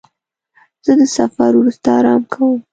زه د سفر وروسته آرام کوم.